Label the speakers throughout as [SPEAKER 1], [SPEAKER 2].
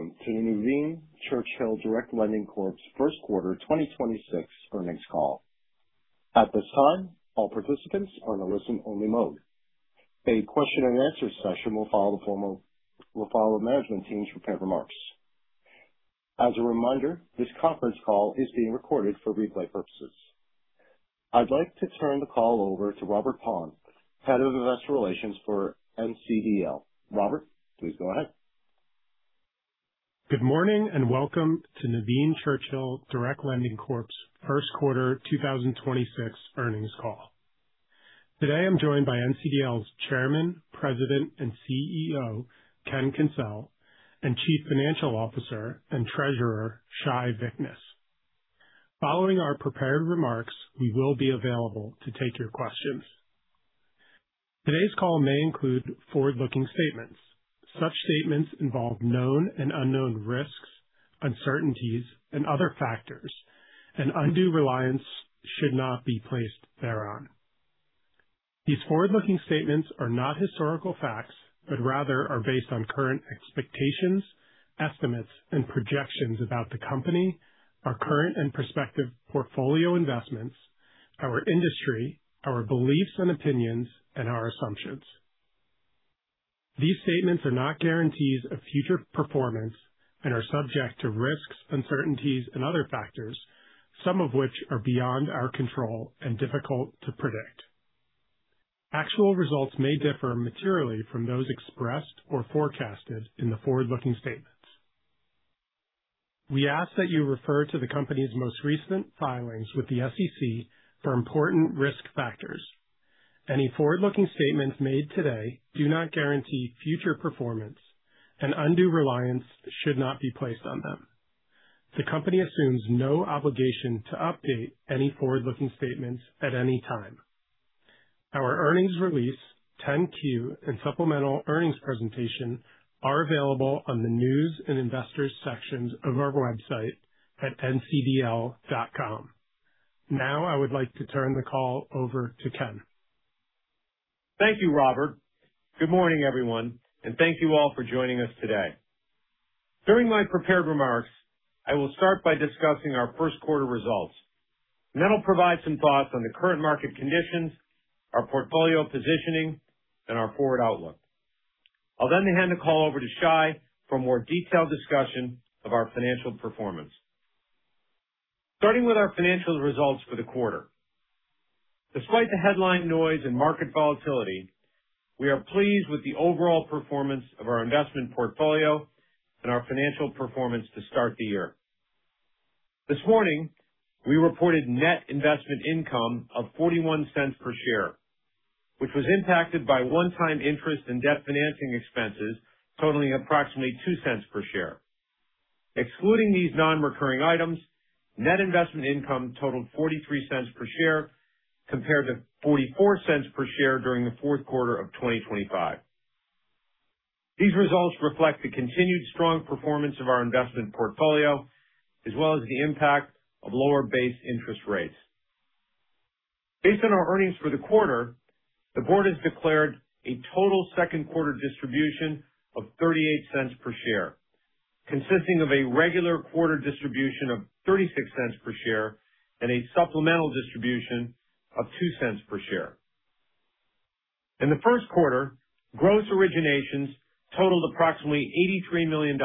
[SPEAKER 1] Welcome to the Nuveen Churchill Direct Lending Corp.'s Q1 2026 earnings call. At this time, all participants are in a listen-only mode. A question and answer session will follow the formal will follow management team's prepared remarks. As a reminder, this conference call is being recorded for replay purposes. I'd like to turn the call over to Robert Paun, Head of Investor Relations for NCDL. Robert, please go ahead.
[SPEAKER 2] Good morning. Welcome to Nuveen Churchill Direct Lending Corp's Q1 2026 earnings call. Today, I'm joined by NCDL's Chairman, President, and CEO, Ken Kencel, and Chief Financial Officer and Treasurer, Shai Vichness. Following our prepared remarks, we will be available to take your questions. Today's call may include forward-looking statements. Such statements involve known and unknown risks, uncertainties, and other factors, and undue reliance should not be placed thereon. These forward-looking statements are not historical facts, but rather are based on current expectations, estimates, and projections about the company, our current and prospective portfolio investments, our industry, our beliefs and opinions, and our assumptions. These statements are not guarantees of future performance and are subject to risks, uncertainties, and other factors, some of which are beyond our control and difficult to predict. Actual results may differ materially from those expressed or forecasted in the forward-looking statements. We ask that you refer to the company's most recent filings with the SEC for important risk factors. Any forward-looking statements made today do not guarantee future performance, and undue reliance should not be placed on them. The company assumes no obligation to update any forward-looking statements at any time. Our earnings release, 10-Q, and supplemental earnings presentation are available on the News and Investors sections of our website at ncdl.com. I would like to turn the call over to Ken.
[SPEAKER 3] Thank you, Robert. Good morning, everyone, and thank you all for joining us today. During my prepared remarks, I will start by discussing our Q1 results. Then I'll provide some thoughts on the current market conditions, our portfolio positioning, and our forward outlook. I'll then hand the call over to Shai for more detailed discussion of our financial performance. Starting with our financial results for the quarter. Despite the headline noise and market volatility, we are pleased with the overall performance of our investment portfolio and our financial performance to start the year. This morning, we reported net investment income of $0.41 per share, which was impacted by one-time interest and debt financing expenses totaling approximately $0.02 per share. Excluding these non-recurring items, net investment income totaled $0.43 per share compared to $0.44 per share during the Q4 of 2025. These results reflect the continued strong performance of our investment portfolio as well as the impact of lower base interest rates. Based on our earnings for the quarter, the board has declared a total Q2 distribution of $0.38 per share, consisting of a regular quarter distribution of $0.36 per share and a supplemental distribution of $0.02 per share. In the Q1, gross originations totaled approximately $83 million,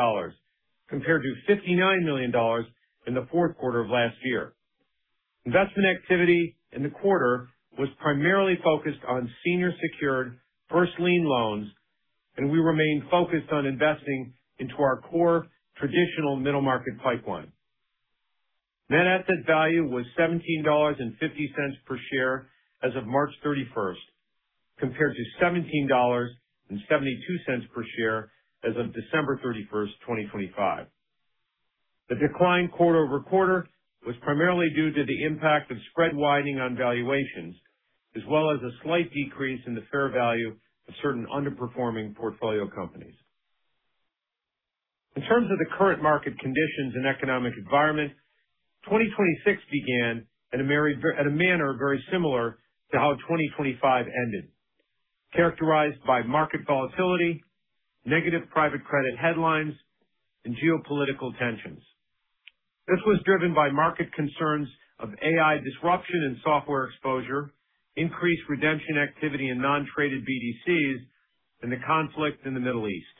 [SPEAKER 3] compared to $59 million in the Q4 of last year. Investment activity in the quarter was primarily focused on senior secured first lien loans, and we remain focused on investing into our core traditional middle market pipeline. Net asset value was $17.50 per share as of March 31st, compared to $17.72 per share as of December 31st, 2025. The decline quarter-over-quarter was primarily due to the impact of spread widening on valuations as well as a slight decrease in the fair value of certain underperforming portfolio companies. In terms of the current market conditions and economic environment, 2026 began at a manner very similar to how 2025 ended, characterized by market volatility, negative private credit headlines, and geopolitical tensions. This was driven by market concerns of AI disruption and software exposure, increased redemption activity in non-traded BDCs, and the conflict in the Middle East.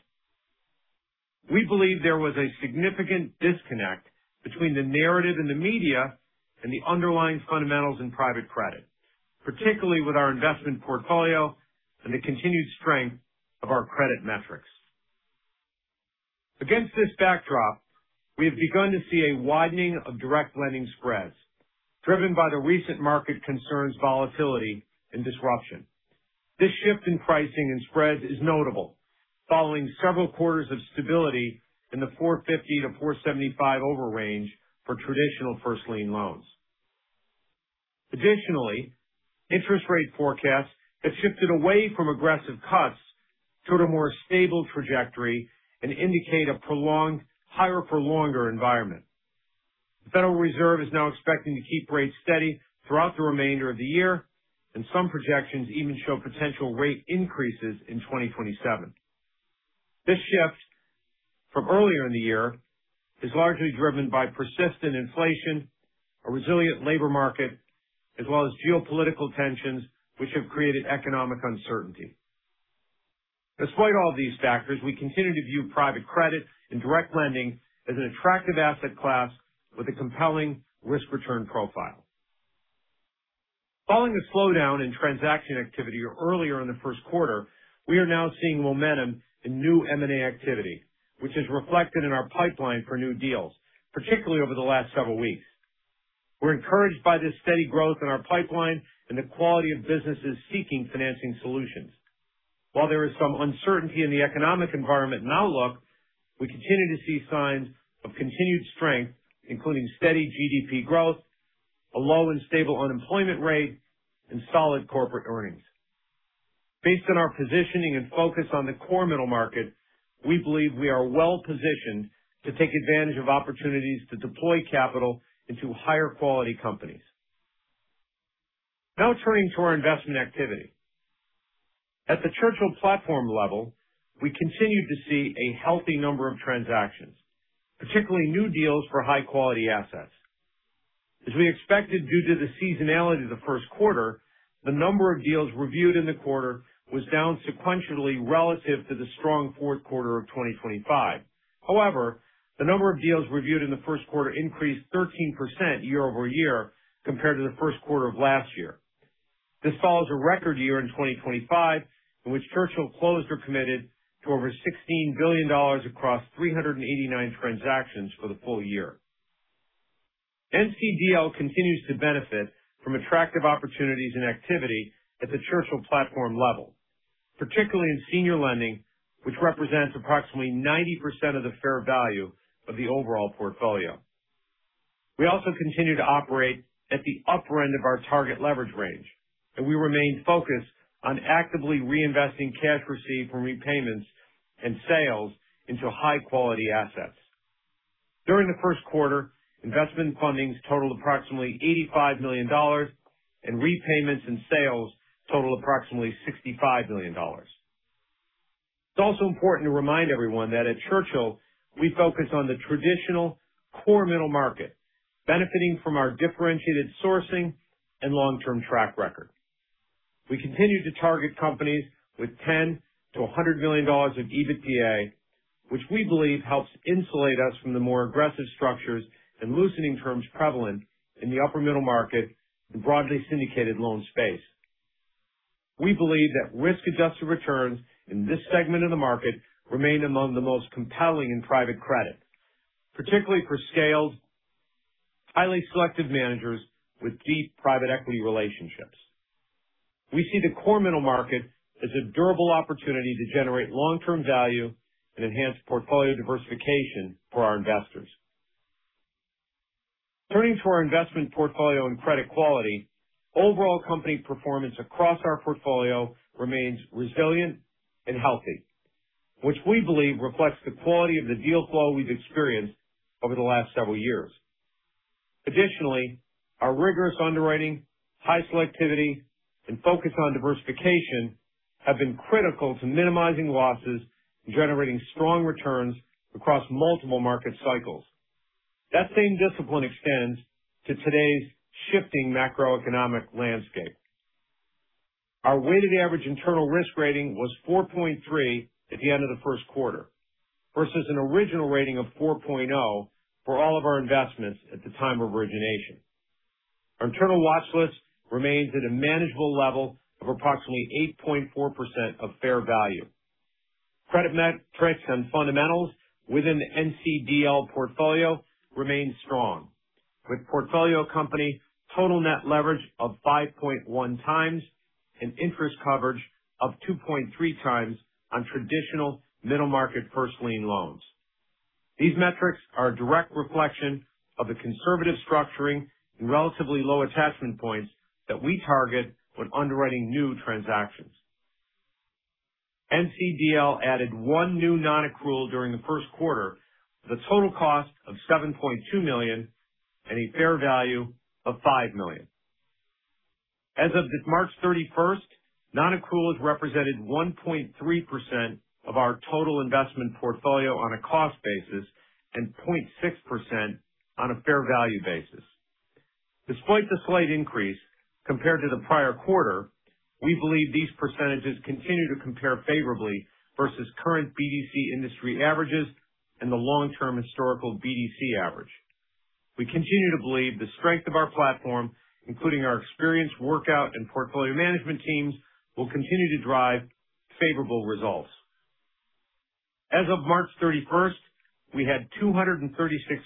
[SPEAKER 3] We believe there was a significant disconnect between the narrative and the media and the underlying fundamentals in private credit, particularly with our investment portfolio and the continued strength of our credit metrics. Against this backdrop, we have begun to see a widening of direct lending spreads driven by the recent market concerns, volatility, and disruption. This shift in pricing and spreads is notable following several quarters of stability in the 450-475 over range for traditional first lien loans. Additionally, interest rate forecasts have shifted away from aggressive cuts toward a more stable trajectory and indicate a prolonged higher for longer environment. The Federal Reserve is now expecting to keep rates steady throughout the remainder of the year, and some projections even show potential rate increases in 2027. This shift from earlier in the year is largely driven by persistent inflation, a resilient labor market, as well as geopolitical tensions which have created economic uncertainty. Despite all these factors, we continue to view private credit and direct lending as an attractive asset class with a compelling risk return profile. Following the slowdown in transaction activity earlier in the Q1, we are now seeing momentum in new M&A activity, which is reflected in our pipeline for new deals, particularly over the last several weeks. We're encouraged by this steady growth in our pipeline and the quality of businesses seeking financing solutions. While there is some uncertainty in the economic environment and outlook, we continue to see signs of continued strength, including steady GDP growth, a low and stable unemployment rate, and solid corporate earnings. Based on our positioning and focus on the core middle market, we believe we are well-positioned to take advantage of opportunities to deploy capital into higher quality companies. Now turning to our investment activity. At the Churchill platform level, we continue to see a healthy number of transactions, particularly new deals for high quality assets. As we expected, due to the seasonality of the Q1, the number of deals reviewed in the quarter was down sequentially relative to the strong Q4 of 2025. However, the number of deals reviewed in the Q1 increased 13% year-over-year compared to the Q1 of last year. This follows a record year in 2025, in which Churchill closed or committed to over $16 billion across 389 transactions for the full year. NCDL continues to benefit from attractive opportunities and activity at the Churchill platform level, particularly in senior lending, which represents approximately 90% of the fair value of the overall portfolio. We also continue to operate at the upper end of our target leverage range, and we remain focused on actively reinvesting cash received from repayments and sales into high quality assets. During the Q1, investment fundings totaled approximately $85 million and repayments and sales totaled approximately $65 million. It's also important to remind everyone that at Churchill we focus on the traditional core middle market, benefiting from our differentiated sourcing and long-term track record. We continue to target companies with $10 million-$100 million of EBITDA, which we believe helps insulate us from the more aggressive structures and loosening terms prevalent in the upper middle market and broadly syndicated loan space. We believe that risk-adjusted returns in this segment of the market remain among the most compelling in private credit, particularly for scaled, highly selective managers with deep private equity relationships. We see the core middle market as a durable opportunity to generate long-term value and enhance portfolio diversification for our investors. Turning to our investment portfolio and credit quality. Overall company performance across our portfolio remains resilient and healthy, which we believe reflects the quality of the deal flow we've experienced over the last several years. Additionally, our rigorous underwriting, high selectivity, and focus on diversification have been critical to minimizing losses and generating strong returns across multiple market cycles. That same discipline extends to today's shifting macroeconomic landscape. Our weighted average internal risk rating was 4.3 at the end of the Q1 versus an original rating of 4.0 for all of our investments at the time of origination. Our internal watchlist remains at a manageable level of approximately 8.4% of fair value. Credit metrics and fundamentals within the NCDL portfolio remain strong, with portfolio company total net leverage of 5.1x and interest coverage of 2.3x on traditional middle market first lien loans. These metrics are a direct reflection of the conservative structuring and relatively low attachment points that we target when underwriting new transactions. NCDL added one new non-accrual during the Q1 with a total cost of $7.2 million and a fair value of $5 million. As of March 31st, non-accruals represented 1.3% of our total investment portfolio on a cost basis and 0.6% on a fair value basis. Despite the slight increase compared to the prior quarter, we believe these percentages continue to compare favorably versus current BDC industry averages and the long-term historical BDC average. We continue to believe the strength of our platform, including our experienced workout and portfolio management teams, will continue to drive favorable results. As of March 31st, we had 236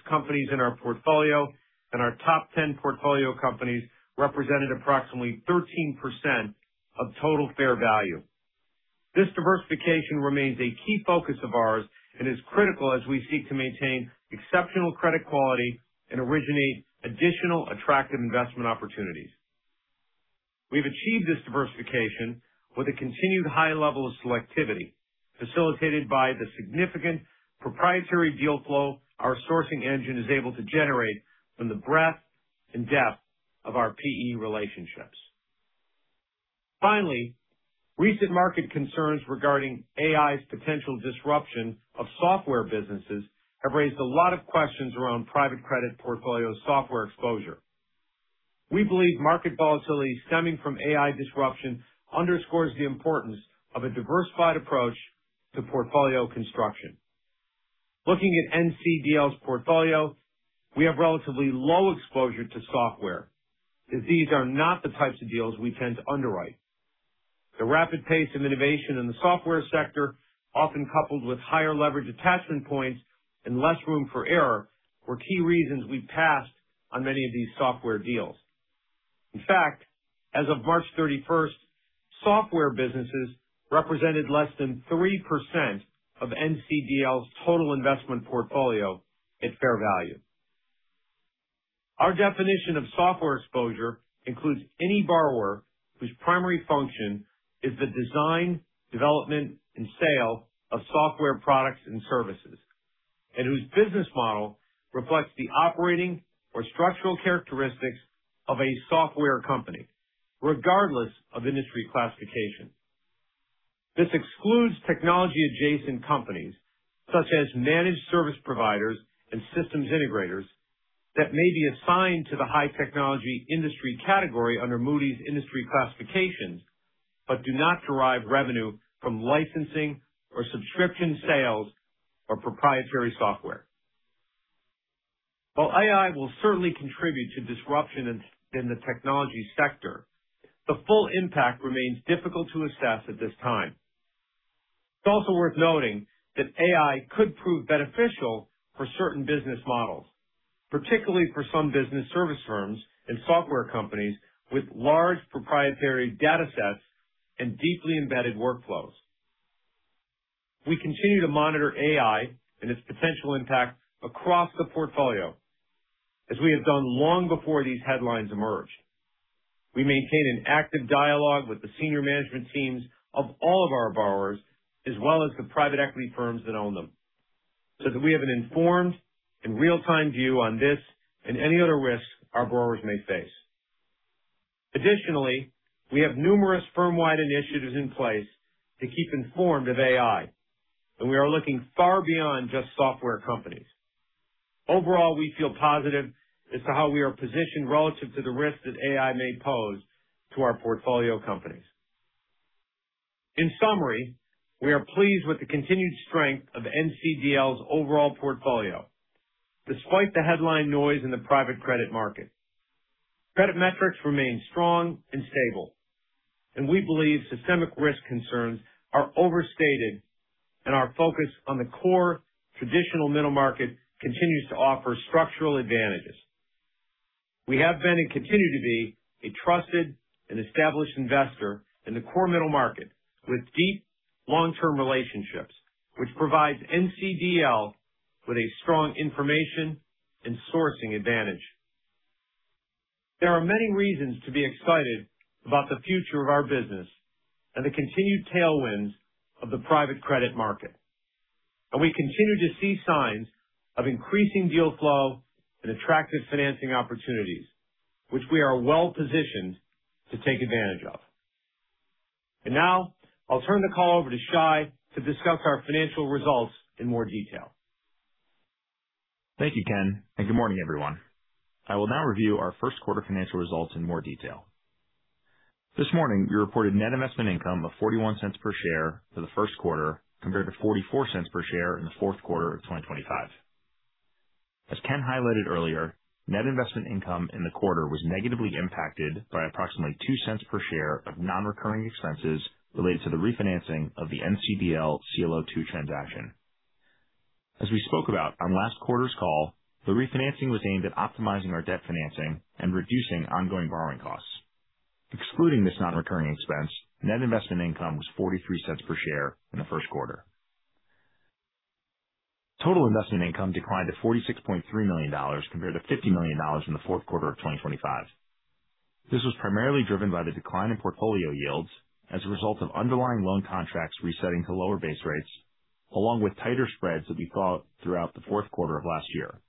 [SPEAKER 3] companies in our portfolio, and our top 10 portfolio companies represented approximately 13% of total fair value. This diversification remains a key focus of ours and is critical as we seek to maintain exceptional credit quality and originate additional attractive investment opportunities. We've achieved this diversification with a continued high level of selectivity, facilitated by the significant proprietary deal flow our sourcing engine is able to generate from the breadth and depth of our PE relationships. Finally, recent market concerns regarding AI's potential disruption of software businesses have raised a lot of questions around private credit portfolio software exposure. We believe market volatility stemming from AI disruption underscores the importance of a diversified approach to portfolio construction. Looking at NCDL's portfolio, we have relatively low exposure to software as these are not the types of deals we tend to underwrite. The rapid pace of innovation in the software sector, often coupled with higher leverage attachment points and less room for error, were key reasons we passed on many of these software deals. In fact, as of March 31st, software businesses represented less than 3% of NCDL's total investment portfolio at fair value. Our definition of software exposure includes any borrower whose primary function is the design, development, and sale of software products and services, and whose business model reflects the operating or structural characteristics of a software company, regardless of industry classification. This excludes technology-adjacent companies such as managed service providers and systems integrators that may be assigned to the high technology industry category under Moody's industry classification, but do not derive revenue from licensing or subscription sales or proprietary software. While AI will certainly contribute to disruption in the technology sector, the full impact remains difficult to assess at this time. It's also worth noting that AI could prove beneficial for certain business models, particularly for some business service firms and software companies with large proprietary datasets and deeply embedded workflows. We continue to monitor AI and its potential impact across the portfolio as we have done long before these headlines emerged. We maintain an active dialogue with the senior management teams of all of our borrowers, as well as the private equity firms that own them, so that we have an informed and real-time view on this and any other risks our borrowers may face. Additionally, we have numerous firm-wide initiatives in place to keep informed of AI, and we are looking far beyond just software companies. Overall, we feel positive as to how we are positioned relative to the risks that AI may pose to our portfolio companies. In summary, we are pleased with the continued strength of NCDL's overall portfolio, despite the headline noise in the private credit market. Credit metrics remain strong and stable, and we believe systemic risk concerns are overstated and our focus on the core traditional middle market continues to offer structural advantages. We have been and continue to be a trusted and established investor in the core middle market with deep long-term relationships, which provides NCDL with a strong information and sourcing advantage. There are many reasons to be excited about the future of our business and the continued tailwinds of the private credit market. We continue to see signs of increasing deal flow and attractive financing opportunities, which we are well-positioned to take advantage of. Now I'll turn the call over to Shai to discuss our financial results in more detail.
[SPEAKER 4] Thank you, Ken, and good morning, everyone. I will now review our Q1 financial results in more detail. This morning, we reported net investment income of $0.41 per share for the Q1, compared to $0.44 per share in the Q4 of 2025. As Ken highlighted earlier, net investment income in the quarter was negatively impacted by approximately $0.02 per share of non-recurring expenses related to the refinancing of the NCDL CLO-II transaction. As we spoke about on last quarter's call, the refinancing was aimed at optimizing our debt financing and reducing ongoing borrowing costs. Excluding this non-recurring expense, net investment income was $0.43 per share in the Q1. Total investment income declined to $46.3 million compared to $50 million in the Q4 of 2025. This was primarily driven by the decline in portfolio yields as a result of underlying loan contracts resetting to lower base rates, along with tighter spreads that we saw throughout the Q4 of last year.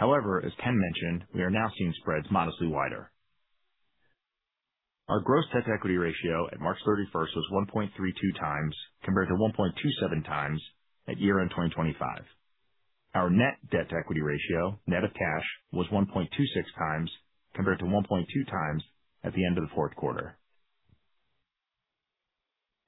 [SPEAKER 4] As Ken mentioned, we are now seeing spreads modestly wider. Our gross debt to equity ratio at March 31st, was 1.32 times compared to 1.27 times at year-end 2025. Our net debt to equity ratio, net of cash, was 1.26 times compared to 1.2 times at the end of the Q4.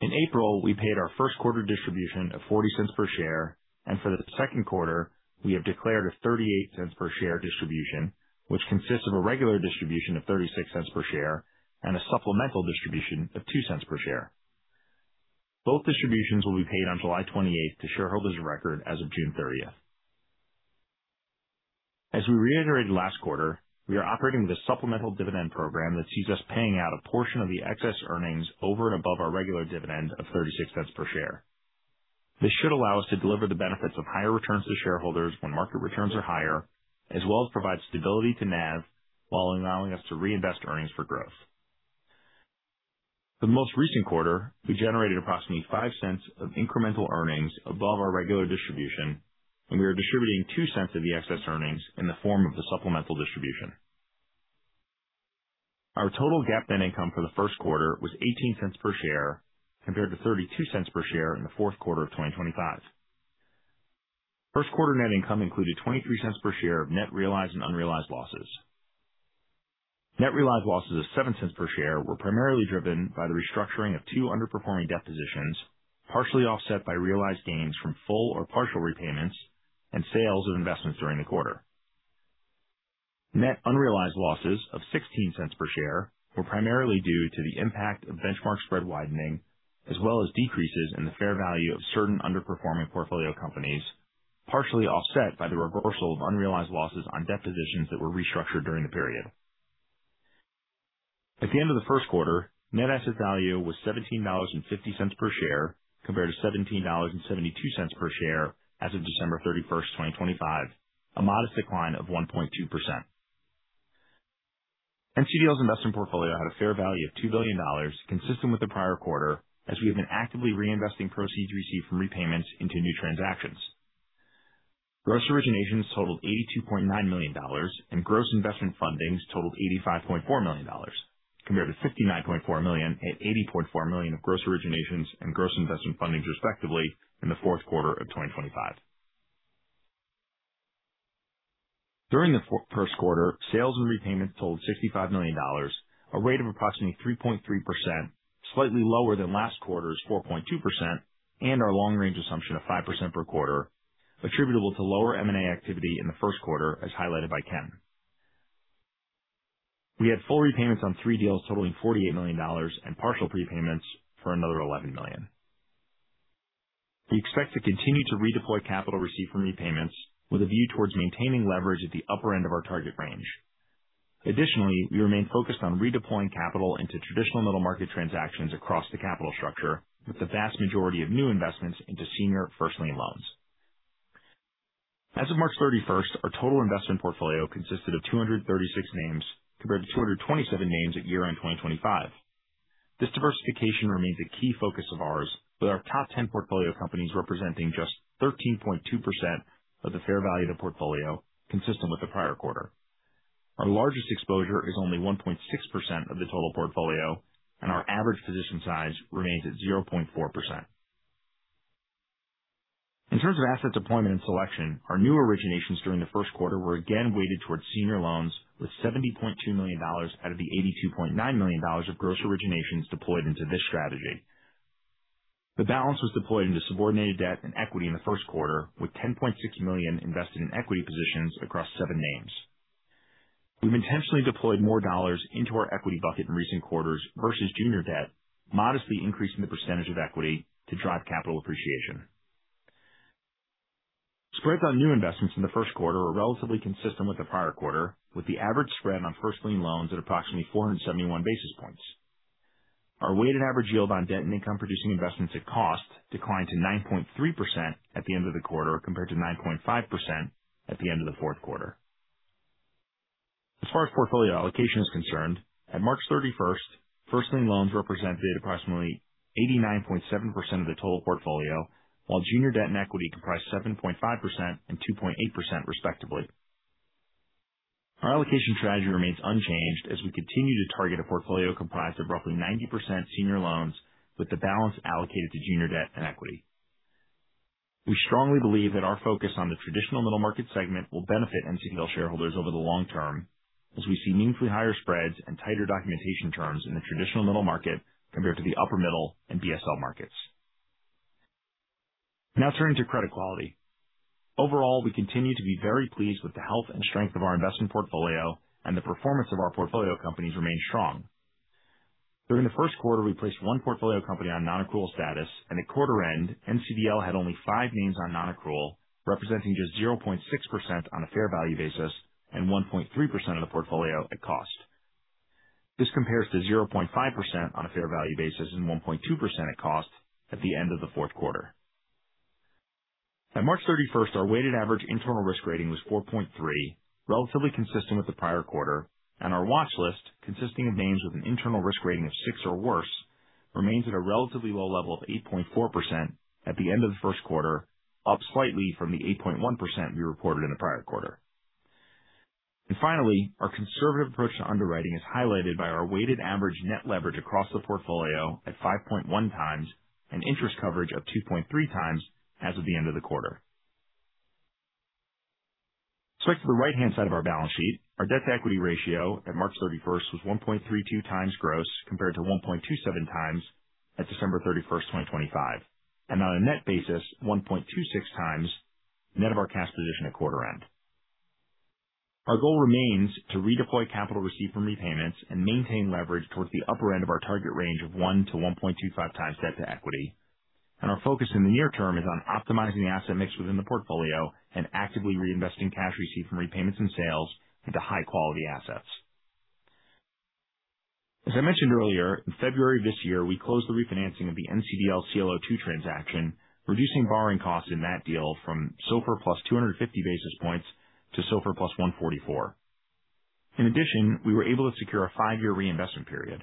[SPEAKER 4] In April, we paid our Q1 distribution of $0.40 per share, and for the Q2, we have declared a $0.38 per share distribution, which consists of a regular distribution of $0.36 per share and a supplemental distribution of $0.02 per share. Both distributions will be paid on July 28th, to shareholders of record as of June 30th. As we reiterated last quarter, we are operating with a supplemental dividend program that sees us paying out a portion of the excess earnings over and above our regular dividend of $0.36 per share. This should allow us to deliver the benefits of higher returns to shareholders when market returns are higher, as well as provide stability to NAV while allowing us to reinvest earnings for growth. The most recent quarter, we generated approximately $0.05 of incremental earnings above our regular distribution, and we are distributing $0.02 of the excess earnings in the form of the supplemental distribution. Our total GAAP net income for the Q1 was $0.18 per share, compared to $0.32 per share in the Q4 of 2025. Q1 net income included $0.23 per share of net realized and unrealized losses. Net realized losses of $0.07 per share were primarily driven by the restructuring of two underperforming debt positions, partially offset by realized gains from full or partial repayments and sales of investments during the quarter. Net unrealized losses of $0.16 per share were primarily due to the impact of benchmark spread widening, as well as decreases in the fair value of certain underperforming portfolio companies, partially offset by the reversal of unrealized losses on debt positions that were restructured during the period. At the end of the Q1, net asset value was $17.50 per share compared to $17.72 per share as of December 31st, 2025, a modest decline of 1.2%. NCDL's investment portfolio had a fair value of $2 billion consistent with the prior quarter as we have been actively reinvesting proceeds received from repayments into new transactions. Gross originations totaled $82.9 million and gross investment fundings totaled $85.4 million, compared to $69.4 million and $80.4 million of gross originations and gross investment fundings respectively in the Q4 of 2025. During the Q1, sales and repayments totaled $65 million, a rate of approximately 3.3%, slightly lower than last quarter's 4.2% and our long-range assumption of 5% per quarter attributable to lower M&A activity in the Q1, as highlighted by Ken. We had full repayments on 3 deals totaling $48 million and partial prepayments for another $11 million. We expect to continue to redeploy capital received from repayments with a view towards maintaining leverage at the upper end of our target range. Additionally, we remain focused on redeploying capital into traditional middle market transactions across the capital structure with the vast majority of new investments into senior first lien loans. As of March 31st, 2026, our total investment portfolio consisted of 236 names compared to 227 names at year-end 2025. This diversification remains a key focus of ours, with our top 10 portfolio companies representing just 13.2% of the fair value of the portfolio, consistent with the prior quarter. Our largest exposure is only 1.6% of the total portfolio, and our average position size remains at 0.4%. In terms of asset deployment and selection, our new originations during the Q1 were again weighted towards senior loans with $70.2 million out of the $82.9 million of gross originations deployed into this strategy. The balance was deployed into subordinated debt and equity in the Q1, with $10.6 million invested in equity positions across seven names. We've intentionally deployed more dollars into our equity bucket in recent quarters versus junior debt, modestly increasing the percentage of equity to drive capital appreciation. Spreads on new investments in the Q1 are relatively consistent with the prior quarter, with the average spread on first lien loans at approximately 471 basis points. Our weighted average yield on debt and income producing investments at cost declined to 9.3% at the end of the quarter, compared to 9.5% at the end of the Q4. As far as portfolio allocation is concerned, at March 31st, first lien loans represented approximately 89.7% of the total portfolio, while junior debt and equity comprised 7.5% and 2.8% respectively. Our allocation strategy remains unchanged as we continue to target a portfolio comprised of roughly 90% senior loans with the balance allocated to junior debt and equity. We strongly believe that our focus on the traditional middle market segment will benefit NCDL shareholders over the long term as we see meaningfully higher spreads and tighter documentation terms in the traditional middle market compared to the upper middle and BSL markets. Now turning to credit quality. Overall, we continue to be very pleased with the health and strength of our investment portfolio and the performance of our portfolio companies remain strong. During the Q1, we placed one portfolio company on non-accrual status and at quarter end, NCDL had only five names on non-accrual, representing just 0.6% on a fair value basis and 1.3% of the portfolio at cost. This compares to 0.5% on a fair value basis and 1.2% at cost at the end of the Q4. At March 31st, our weighted average internal risk rating was 4.3, relatively consistent with the prior quarter, and our watch list, consisting of names with an internal risk rating of 6 or worse, remains at a relatively low level of 8.4% at the end of the Q1, up slightly from the 8.1% we reported in the prior quarter. Finally, our conservative approach to underwriting is highlighted by our weighted average net leverage across the portfolio at 5.1x and interest coverage of 2.3x as of the end of the quarter. Switching to the right-hand side of our balance sheet. Our debt to equity ratio at March 31st, was 1.32x gross compared to 1.27x at December 31st, 2025. On a net basis, 1.26 times net of our cash position at quarter end. Our goal remains to redeploy capital received from repayments and maintain leverage towards the upper end of our target range of 1-1.25 times debt to equity. Our focus in the near term is on optimizing the asset mix within the portfolio and actively reinvesting cash received from repayments and sales into high quality assets. As I mentioned earlier, in February this year, we closed the refinancing of the NCDL CLO-II transaction, reducing borrowing costs in that deal from SOFR plus 250 basis points to SOFR plus 144. In addition, we were able to secure a five-year reinvestment period.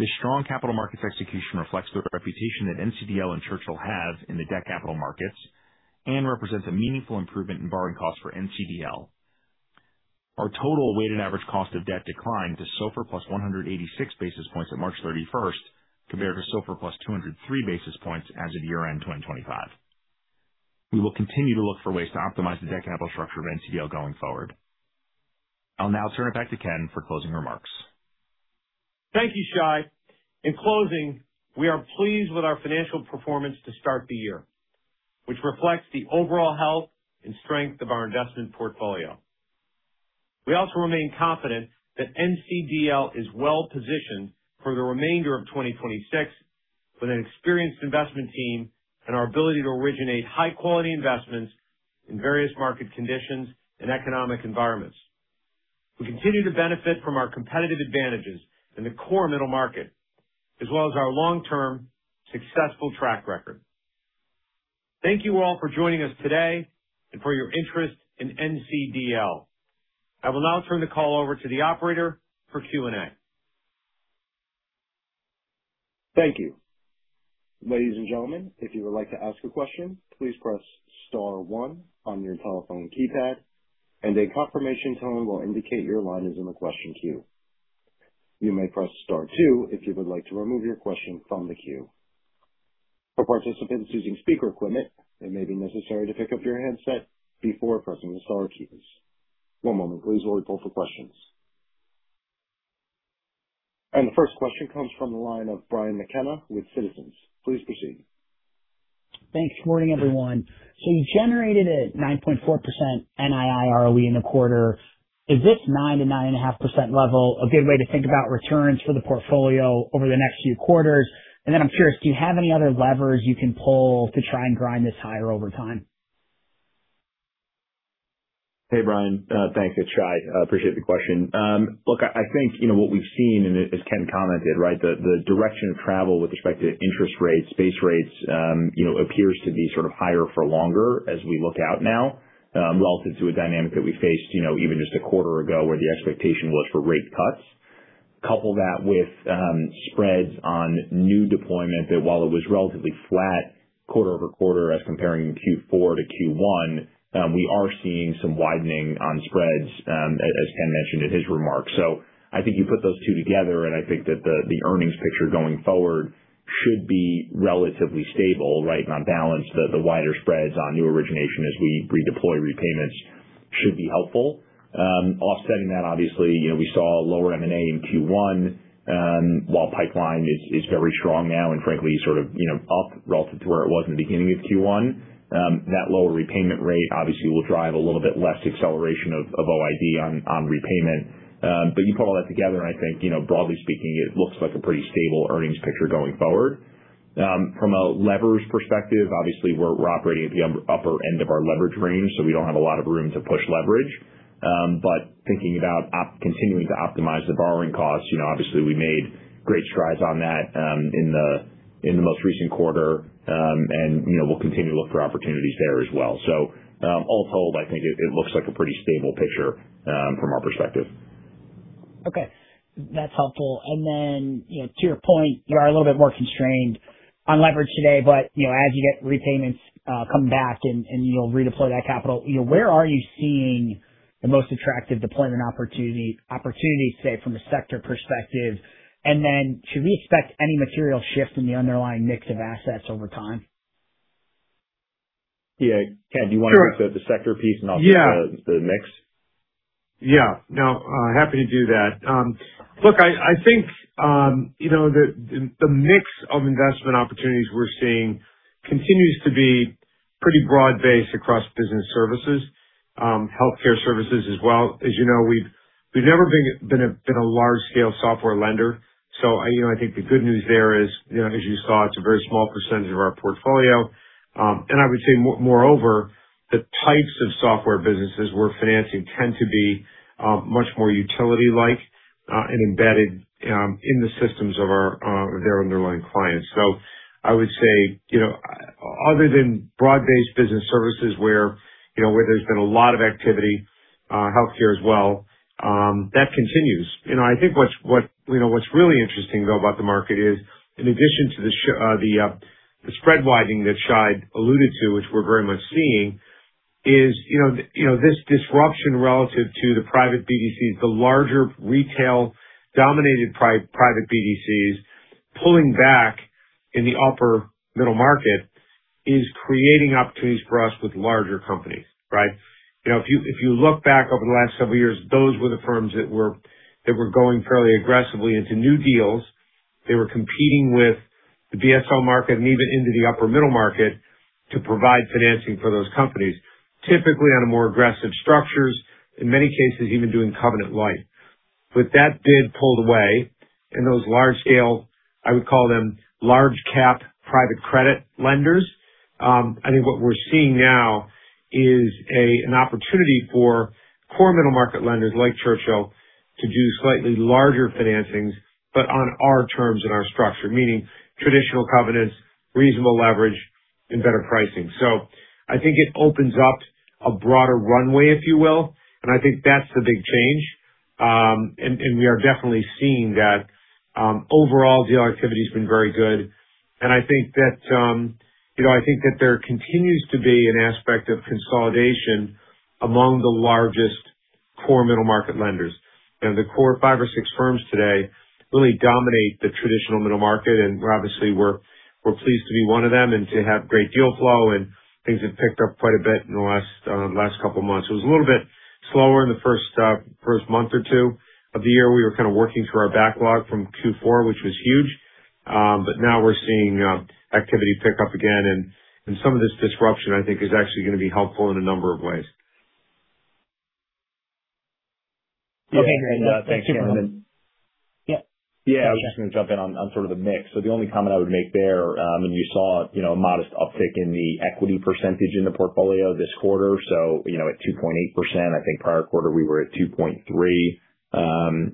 [SPEAKER 4] This strong capital markets execution reflects the reputation that NCDL and Churchill have in the debt capital markets and represents a meaningful improvement in borrowing costs for NCDL. Our total weighted average cost of debt declined to SOFR plus 186 basis points at March 31st, compared to SOFR plus 203 basis points as of year-end 2025. We will continue to look for ways to optimize the debt capital structure of NCDL going forward. I'll now turn it back to Ken for closing remarks.
[SPEAKER 3] Thank you, Shai. In closing, we are pleased with our financial performance to start the year, which reflects the overall health and strength of our investment portfolio. We also remain confident that NCDL is well-positioned for the remainder of 2026 with an experienced investment team and our ability to originate high-quality investments in various market conditions and economic environments. We continue to benefit from our competitive advantages in the core middle market as well as our long-term successful track record. Thank you all for joining us today and for your interest in NCDL. I will now turn the call over to the operator for Q&A.
[SPEAKER 1] Thank you. Ladies and gentlemen, if you would like to ask a question, please press star one on your telephone keypad and a confirmation tone will indicate your line is in the question queue. You may press star two if you would like to remove your question from the queue. For participants using speaker equipment, it may be necessary to pick up your handset before pressing the star keys. One moment please while we pull for questions. The first question comes from the line of Brian McKenna with Citizens. Please proceed.
[SPEAKER 5] Thanks. Morning, everyone. You generated a 9.4% NII ROE in the quarter. Is this 9%-9.5% level a good way to think about returns for the portfolio over the next few quarters? I'm curious, do you have any other levers you can pull to try and grind this higher over time?
[SPEAKER 4] Hey, Brian. Thanks. It's Shai. I appreciate the question. I think, you know, what we've seen and as Ken commented, the direction of travel with respect to interest rates, base rates, you know, appears to be sort of higher for longer as we look out now, relative to a dynamic that we faced, you know, even just a one quarter ago, where the expectation was for rate cuts. Couple that with spreads on new deployment that while it was relatively flat quarter-over-quarter as comparing Q4 to Q1, we are seeing some widening on spreads, as Ken mentioned in his remarks. I think you put those two together, I think that the earnings picture going forward should be relatively stable. On balance, the wider spreads on new origination as we redeploy repayments should be helpful. Offsetting that, obviously, you know, we saw lower M&A in Q1, while pipeline is very strong now and frankly sort of, you know, up relative to where it was in the beginning of Q1. That lower repayment rate obviously will drive a little bit less acceleration of OID on repayment. You put all that together and I think, you know, broadly speaking, it looks like a pretty stable earnings picture going forward. From a leverage perspective, obviously we're operating at the upper end of our leverage range, so we don't have a lot of room to push leverage. Thinking about continuing to optimize the borrowing costs, you know, obviously we made great strides on that, in the, in the most recent quarter. You know, we'll continue to look for opportunities there as well. All told, I think it looks like a pretty stable picture, from our perspective.
[SPEAKER 5] Okay. That's helpful. You know, to your point, you are a little bit more constrained on leverage today, but, you know, as you get repayments, come back and you'll redeploy that capital, you know, where are you seeing the most attractive deployment opportunity, say, from a sector perspective? Should we expect any material shift in the underlying mix of assets over time?
[SPEAKER 4] Yeah. Ken, do you want to?
[SPEAKER 3] Sure.
[SPEAKER 4] The sector piece and I'll take.
[SPEAKER 3] Yeah.
[SPEAKER 4] The mix.
[SPEAKER 3] Yeah. No, happy to do that. Look, I think, you know, the, the mix of investment opportunities we're seeing continues to be pretty broad-based across business services, healthcare services as well. As you know, we've never been a large-scale software lender. You know, I think the good news there is, you know, as you saw, it's a very small percentage of our portfolio. I would say moreover, the types of software businesses we're financing tend to be much more utility-like and embedded in the systems of our, their underlying clients. I would say, you know, other than broad-based business services where, you know, where there's been a lot of activity, healthcare as well, that continues. I think what's really interesting though about the market is in addition to the spread widening that Shai alluded to, which we're very much seeing, is this disruption relative to the private BDCs, the larger retail-dominated private BDCs pulling back in the upper middle market is creating opportunities for us with larger companies, right? If you look back over the last several years, those were the firms that were going fairly aggressively into new deals. They were competing with the BSL market and even into the upper middle market to provide financing for those companies, typically on a more aggressive structures, in many cases even doing covenant light. That bid pulled away, those large scale, I would call them large cap private credit lenders, I think what we're seeing now is an opportunity for core middle market lenders like Churchill to do slightly larger financings, but on our terms and our structure. Meaning traditional covenants, reasonable leverage, and better pricing. I think it opens up a broader runway, if you will, I think that's the big change. We are definitely seeing that. Overall deal activity has been very good. I think that, you know, I think that there continues to be an aspect of consolidation among the largest core middle market lenders. You know, the core five or six firms today really dominate the traditional middle market. Obviously we're pleased to be one of them and to have great deal flow. Things have picked up quite a bit in the last couple of months. It was a little bit slower in the first month or two of the year. We were kind of working through our backlog from Q4, which was huge. Now we're seeing activity pick up again. Some of this disruption I think is actually gonna be helpful in a number of ways.
[SPEAKER 5] Okay. Thanks, Ken.
[SPEAKER 3] Yeah.
[SPEAKER 4] Yeah. I was just going to jump in on sort of the mix. The only comment I would make there, and you saw, you know, a modest uptick in the equity % in the portfolio this quarter. You know, at 2.8%. I think prior quarter we were at 2.3.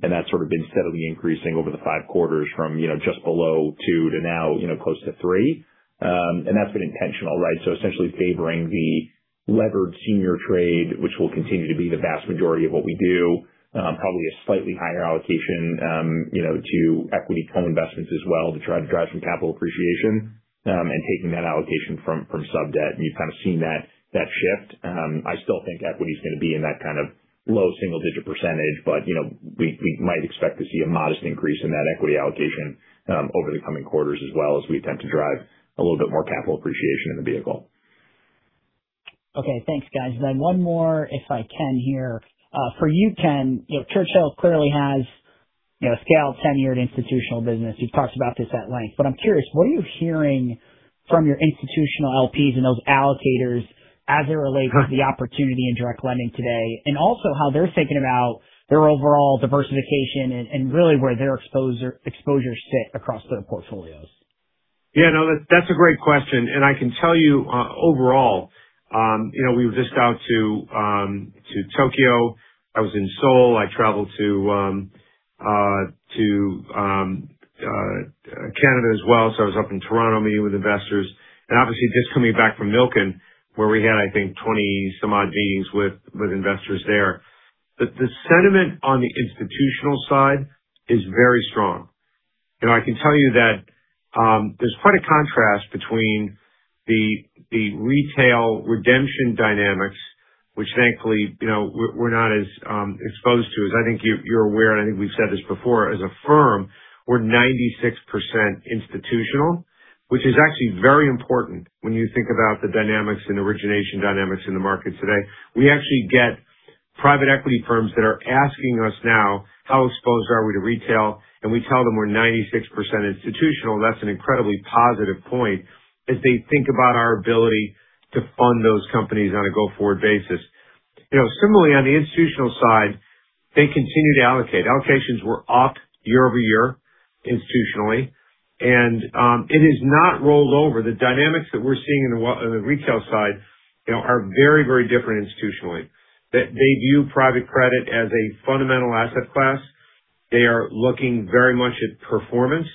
[SPEAKER 4] That's sort of been steadily increasing over the five quarters from, you know, just below two to now, you know, close to three. That's been intentional, right? Essentially favoring the levered senior trade, which will continue to be the vast majority of what we do. Probably a slightly higher allocation, you know, to equity co-investments as well to try to drive some capital appreciation, taking that allocation from sub debt. You've kind of seen that shift. I still think equity is gonna be in that kind of low single-digit %, but, you know, we might expect to see a modest increase in that equity allocation over the coming quarters as well as we attempt to drive a little bit more capital appreciation in the vehicle.
[SPEAKER 5] Okay. Thanks, guys. One more if I can here. For you, Ken, you know Churchill clearly has, you know, a scaled tenured institutional business. You've talked about this at length. I'm curious, what are you hearing from your institutional LPs and those allocators as it relates to the opportunity in direct lending today? Also how they're thinking about their overall diversification and really where their exposures sit across their portfolios.
[SPEAKER 3] Yeah. No, that's a great question. I can tell you, overall, you know, we were just out to Tokyo. I was in Seoul. I traveled to Canada as well. I was up in Toronto meeting with investors. Obviously just coming back from Milken, where we had, I think, 20 some odd meetings with investors there. The sentiment on the institutional side is very strong. You know, I can tell you that there's quite a contrast between the retail redemption dynamics, which thankfully, you know, we're not as exposed to. As I think you're aware, and I think we've said this before, as a firm, we're 96% institutional, which is actually very important when you think about the dynamics and origination dynamics in the market today. We actually get private equity firms that are asking us now how exposed are we to retail. We tell them we're 96% institutional. That's an incredibly positive point as they think about our ability to fund those companies on a go-forward basis. You know, similarly, on the institutional side, they continue to allocate. Allocations were up year-over-year institutionally. It is not rolled over. The dynamics that we're seeing on the retail side, you know, are very, very different institutionally. They view private credit as a fundamental asset class. They are looking very much at performance.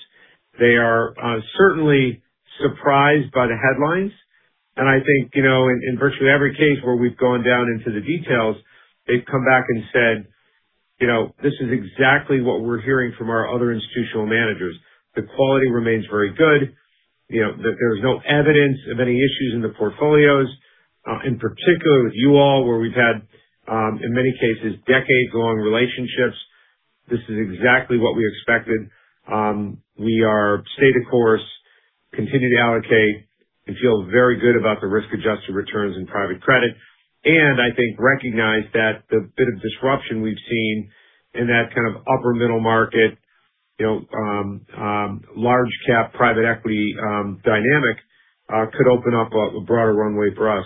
[SPEAKER 3] They are certainly surprised by the headlines. I think, you know, in virtually every case where we've gone down into the details, they've come back and said, "You know, this is exactly what we're hearing from our other institutional managers. The quality remains very good. You know, there is no evidence of any issues in the portfolios. In particular with you all, where we've had, in many cases, decade-long relationships, this is exactly what we expected. We are stay the course, continue to allocate, and feel very good about the risk-adjusted returns in private credit. I think recognize that the bit of disruption we've seen in that kind of upper middle market, you know, large cap private equity dynamic, could open up a broader runway for us.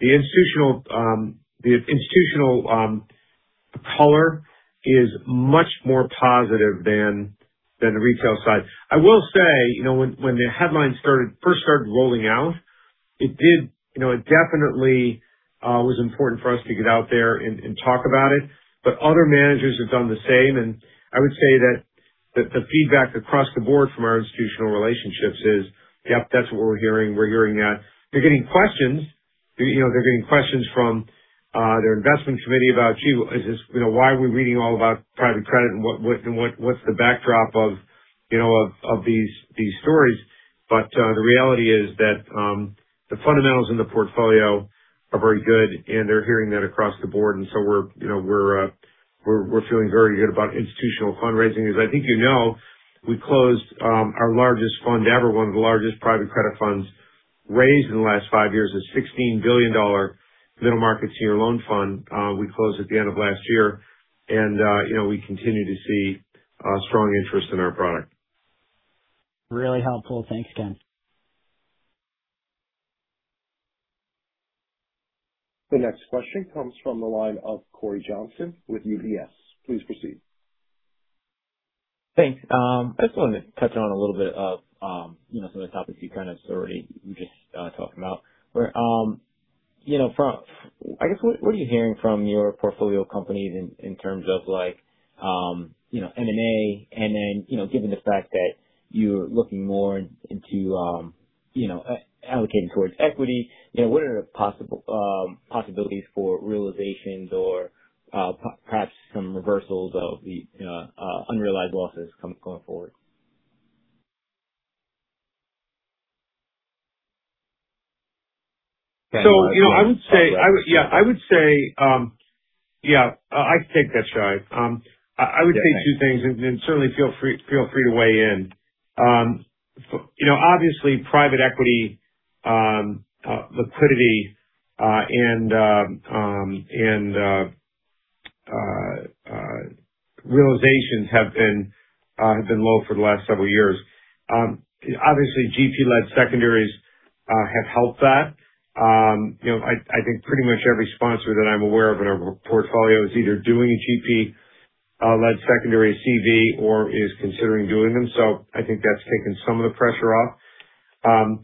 [SPEAKER 3] The institutional color is much more positive than the retail side. I will say, you know, when the headlines started, first started rolling out, it did, you know, it definitely was important for us to get out there and talk about it, but other managers have done the same. I would say that the feedback across the board from our institutional relationships is, "Yep, that's what we're hearing. We're hearing that." They're getting questions. You know, they're getting questions from their investment committee about you. You know, why are we reading all about private credit and what's the backdrop of, you know, of these stories? The reality is that the fundamentals in the portfolio are very good, and they're hearing that across the board. We're, you know, we're feeling very good about institutional fundraising. As I think you know, we closed our largest fund ever. One of the largest private credit funds raised in the last five years. A $16 billion middle market senior loan fund, we closed at the end of last year. You know, we continue to see strong interest in our product.
[SPEAKER 5] Really helpful. Thanks, Ken.
[SPEAKER 1] The next question comes from the line of Corey Johnson with UBS. Please proceed.
[SPEAKER 6] Thanks. I just wanted to touch on a little bit of, you know, some of the topics you kind of already just talked about. Where, you know, from I guess, what are you hearing from your portfolio companies in terms of like, you know, M&A, and then, you know, given the fact that you're looking more into, you know, allocating towards equity, you know, what are the possible possibilities for realizations or perhaps some reversals of the unrealized losses going forward?
[SPEAKER 3] You know, I would say, I can take that, Shai. I would say two things and certainly feel free to weigh in. you know, obviously private equity and realizations have been low for the last several years. Obviously GP-led secondaries have helped that. you know, I think pretty much every sponsor that I'm aware of in our portfolio is either doing a GP-led secondary CV or is considering doing them. I think that's taken some of the pressure off.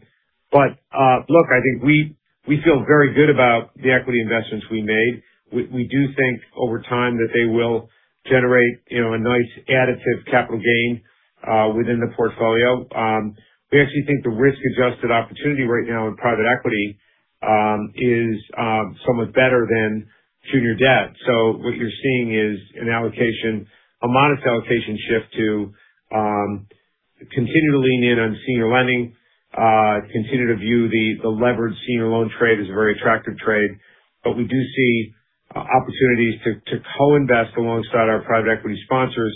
[SPEAKER 3] Look, I think we feel very good about the equity investments we made. We do think over time that they will generate, you know, a nice additive capital gain within the portfolio. We actually think the risk-adjusted opportunity right now in private equity is somewhat better than junior debt. What you're seeing is an allocation, a modest allocation shift to continue to lean in on senior lending, continue to view the levered senior loan trade as a very attractive trade. We do see opportunities to co-invest alongside our private equity sponsors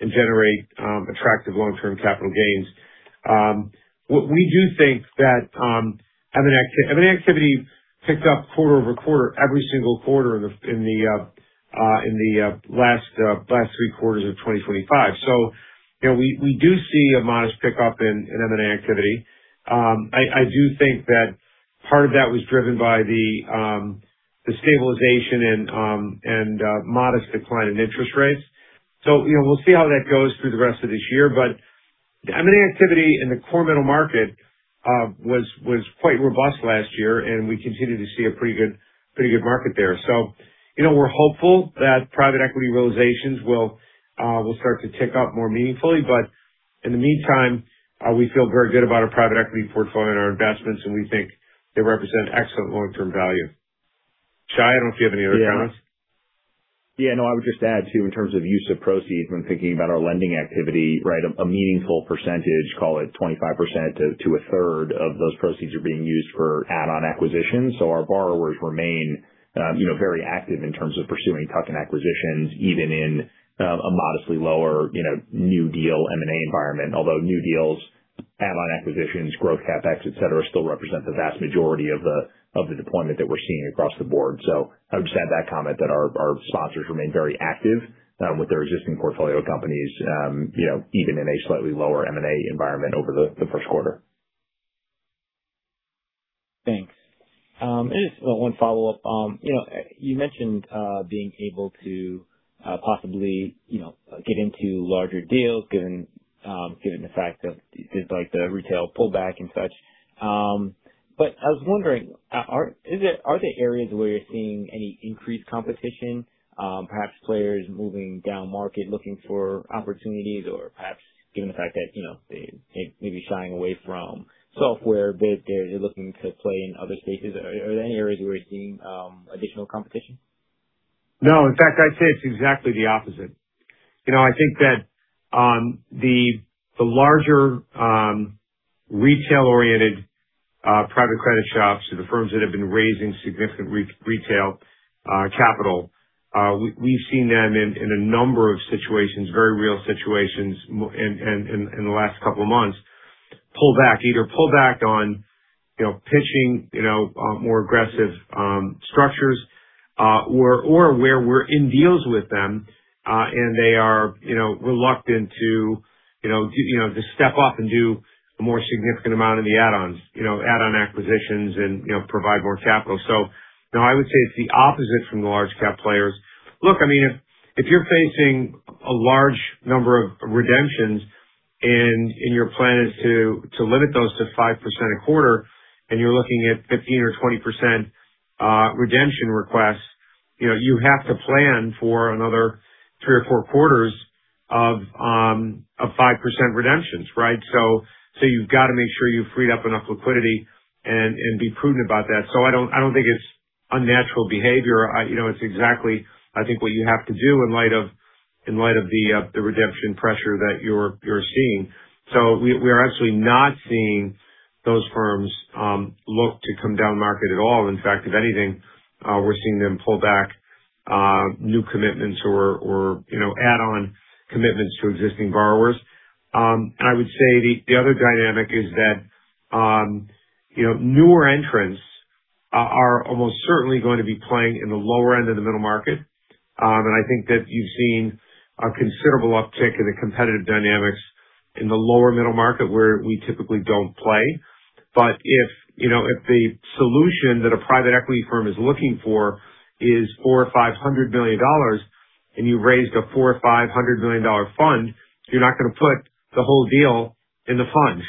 [SPEAKER 3] and generate attractive long-term capital gains. What we do think that M&A activity picked up quarter-over-quarter every single quarter in the last three quarters of 2025. You know, we do see a modest pickup in M&A activity. I do think that part of that was driven by the stabilization and modest decline in interest rates. You know, we'll see how that goes through the rest of this year. M&A activity in the core middle market was quite robust last year, and we continue to see a pretty good market there. You know, we're hopeful that private equity realizations will start to tick up more meaningfully. In the meantime, we feel very good about our private equity portfolio and our investments, and we think they represent excellent long-term value. Shai, I don't know if you have any other comments.
[SPEAKER 4] No, I would just add, too, in terms of use of proceeds when thinking about our lending activity, right? A meaningful percentage, call it 25% to a third of those proceeds are being used for add-on acquisitions. Our borrowers remain, you know, very active in terms of pursuing tuck-in acquisitions, even in a modestly lower, you know, new deal M&A environment. Although new deals, add-on acquisitions, growth CapEx, et cetera, still represent the vast majority of the deployment that we're seeing across the board. I would just add that comment that our sponsors remain very active with their existing portfolio companies, you know, even in a slightly lower M&A environment over the Q1.
[SPEAKER 6] Thanks. Just one follow-up. You know, you mentioned being able to possibly, you know, get into larger deals given the fact of just like the retail pullback and such. I was wondering, are there areas where you're seeing any increased competition, perhaps players moving down market looking for opportunities or perhaps given the fact that, you know, they may be shying away from software, but they're looking to play in other spaces. Are there any areas where you're seeing additional competition?
[SPEAKER 3] No. In fact, I'd say it's exactly the opposite. You know, I think that the larger retail-oriented private credit shops or the firms that have been raising significant retail capital, we've seen them in a number of situations, very real situations in the last couple of months, pull back. Either pull back on, you know, pitching, you know, more aggressive structures, or where we're in deals with them, and they are, you know, reluctant to, you know, do, you know, to step up and do a more significant amount in the add-ons. You know, add-on acquisitions and, you know, provide more capital. No, I would say it's the opposite from the large cap players. Look, I mean, if you're facing a large number of redemptions and your plan is to limit those to 5% a quarter, and you're looking at 15% or 20% redemption requests, you know, you have to plan for another three or four quarters of 5% redemptions, right? You've got to make sure you've freed up enough liquidity and be prudent about that. I don't think it's unnatural behavior. I You know, it's exactly, I think, what you have to do in light of the redemption pressure that you're seeing. We are actually not seeing those firms look to come down market at all. In fact, if anything, we're seeing them pull back new commitments or, you know, add on commitments to existing borrowers. I would say the other dynamic is that, you know, newer entrants are almost certainly going to be playing in the lower end of the middle market. I think that you've seen a considerable uptick in the competitive dynamics in the lower middle market where we typically don't play. If, you know, if the solution that a private equity firm is looking for is $400 million or $500 million and you've raised a $400 million or $500 million fund. You're not gonna put the whole deal in the fund.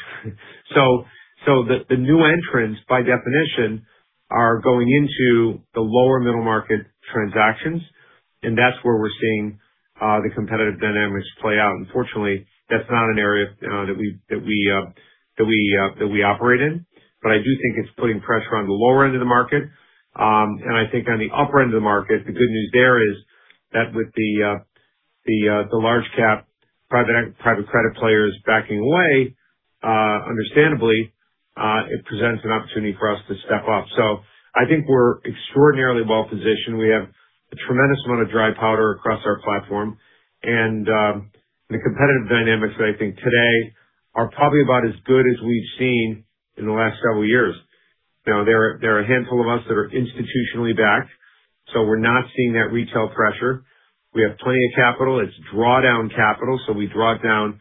[SPEAKER 3] The new entrants, by definition, are going into the lower middle market transactions. That's where we're seeing the competitive dynamics play out. Unfortunately, that's not an area that we operate in. I do think it's putting pressure on the lower end of the market. I think on the upper end of the market, the good news there is that with the large cap private credit players backing away, understandably, it presents an opportunity for us to step up. I think we're extraordinarily well positioned. We have a tremendous amount of dry powder across our platform. The competitive dynamics that I think today are probably about as good as we've seen in the last several years. Now, there are a handful of us that are institutionally backed, so we're not seeing that retail pressure. We have plenty of capital. It's drawdown capital, so we draw down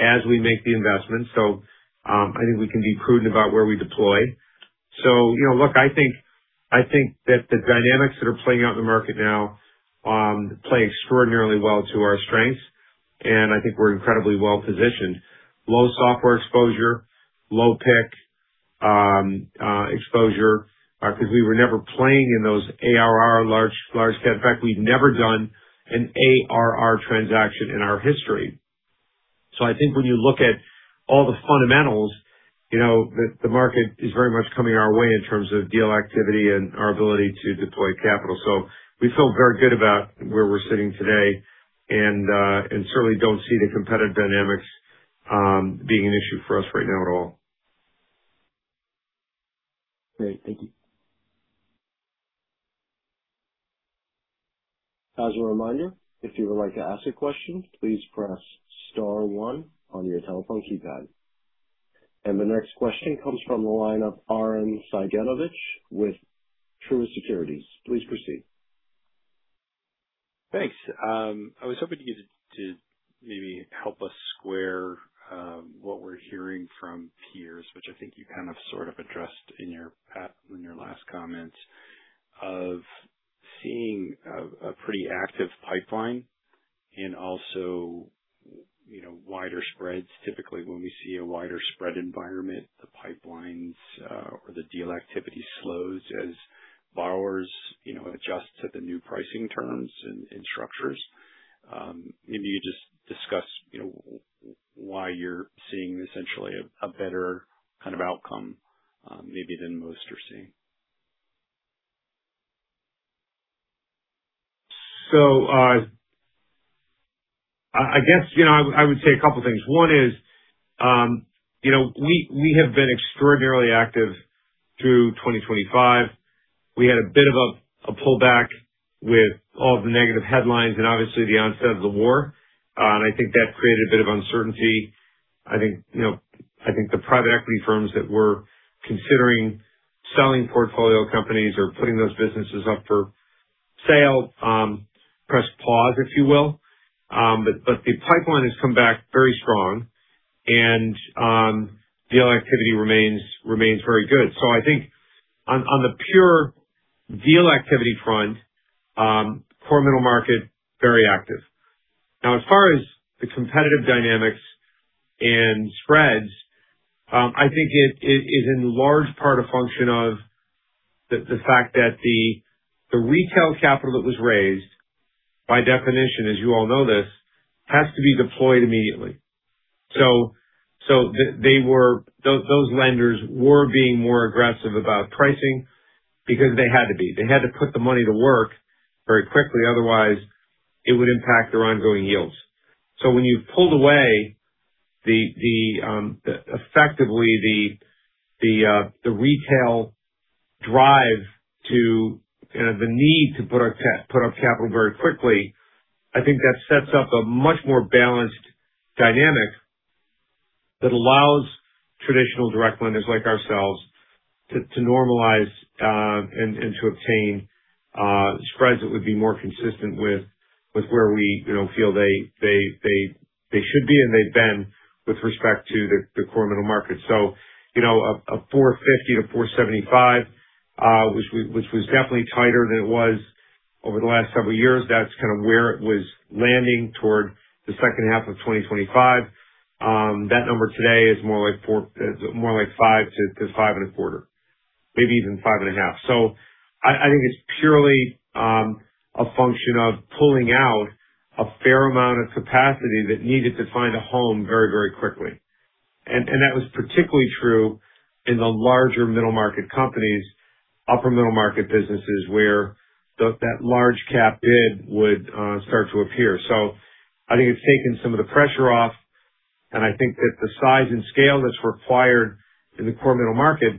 [SPEAKER 3] as we make the investments. I think we can be prudent about where we deploy. You know, look, I think that the dynamics that are playing out in the market now, play extraordinarily well to our strengths. I think we're incredibly well positioned. Low SOFR exposure, low PIK exposure, 'cause we were never playing in those ARR large cap. In fact, we've never done an ARR transaction in our history. I think when you look at all the fundamentals, you know, the market is very much coming our way in terms of deal activity and our ability to deploy capital. We feel very good about where we're sitting today and certainly don't see the competitive dynamics being an issue for us right now at all.
[SPEAKER 6] Great. Thank you.
[SPEAKER 1] As a reminder, if you would like to ask a question, please press star one on your telephone keypad. The next question comes from the line of Arren Cyganovich with Truist Securities. Please proceed.
[SPEAKER 7] Thanks. I was hoping to get you to maybe help us square what we're hearing from peers, which I think you kind of sort of addressed in your last comments, of seeing a pretty active pipeline and also, you know, wider spreads. Typically, when we see a wider spread environment, the pipelines, or the deal activity slows as borrowers, you know, adjust to the new pricing terms and structures. Maybe you just discuss, you know, why you're seeing essentially a better kind of outcome, maybe than most are seeing.
[SPEAKER 3] I guess, you know, I would say a couple things. One is, you know, we have been extraordinarily active through 2025. We had a bit of a pullback with all the negative headlines and obviously the onset of the war. I think that created a bit of uncertainty. I think, you know, I think the private equity firms that were considering selling portfolio companies or putting those businesses up for sale, pressed pause, if you will. But the pipeline has come back very strong and deal activity remains very good. I think on the pure deal activity front, core middle market, very active. Now, as far as the competitive dynamics and spreads, I think it is in large part a function of the fact that the retail capital that was raised, by definition, as you all know this, has to be deployed immediately. Those lenders were being more aggressive about pricing because they had to be. They had to put the money to work very quickly, otherwise it would impact their ongoing yields. When you've pulled away the effectively the retail drive to the need to put our put up capital very quickly, I think that sets up a much more balanced dynamic that allows traditional direct lenders like ourselves to normalize and to obtain spreads that would be more consistent with where we, you know, feel they should be and they've been with respect to the core middle market. You know, 4.5% to 4.75%, which was definitely tighter than it was over the last several years. That's kind of where it was landing toward the second half of 2025. That number today is more like 5% to 5.25%, maybe even 5.5%. I think it's purely a function of pulling out a fair amount of capacity that needed to find a home very, very quickly. That was particularly true in the larger middle market companies, upper middle market businesses, where that large cap bid would start to appear. I think it's taken some of the pressure off. I think that the size and scale that's required in the core middle market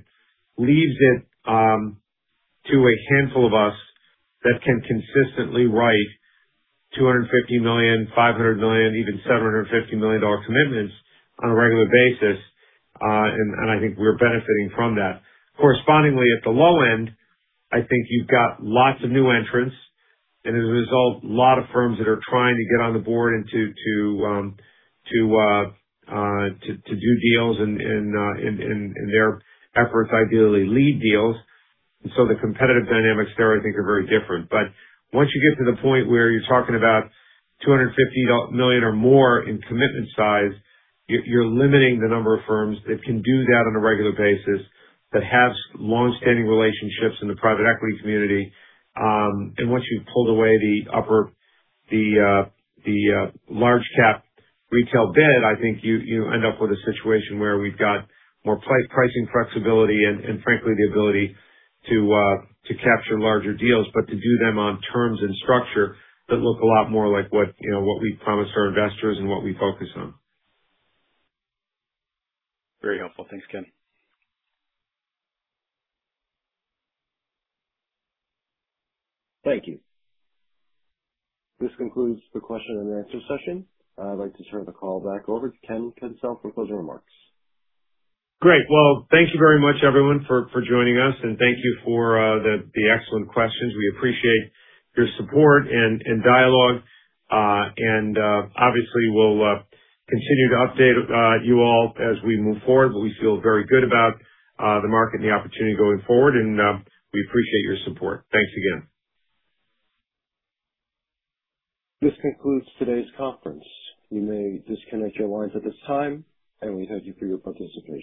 [SPEAKER 3] leaves it to a handful of us that can consistently write $250 million, $500 million, even $750 million dollar commitments on a regular basis. I think we're benefiting from that. Correspondingly at the low end, I think you've got lots of new entrants. As a result, a lot of firms that are trying to get on the board and to do deals and their efforts ideally lead deals. The competitive dynamics there I think are very different. Once you get to the point where you're talking about $250 million or more in commitment size, you're limiting the number of firms that can do that on a regular basis, that has longstanding relationships in the private equity community. Once you've pulled away the upper, the large cap retail bid, I think you end up with a situation where we've got more pricing flexibility and frankly, the ability to capture larger deals, but to do them on terms and structure that look a lot more like what, you know, what we promised our investors and what we focus on.
[SPEAKER 7] Very helpful. Thanks, Ken.
[SPEAKER 3] Thank you.
[SPEAKER 1] This concludes the question and answer session. I'd like to turn the call back over to Ken Kencel for closing remarks.
[SPEAKER 3] Thank you very much, everyone, for joining us. Thank you for the excellent questions. We appreciate your support and dialogue. Obviously, we'll continue to update you all as we move forward. We feel very good about the market and the opportunity going forward. We appreciate your support. Thanks again.
[SPEAKER 1] This concludes today's conference. You may disconnect your lines at this time, and we thank you for your participation.